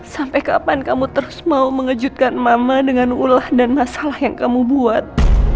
sampai kapan kamu terus mau mengejutkan mama dengan ulah dan masalah yang kamu buat